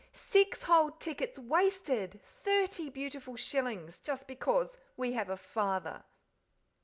"Six whole tickets wasted thirty beautiful shillings just because we have a father!"